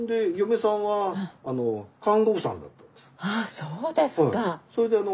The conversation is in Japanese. そうですか！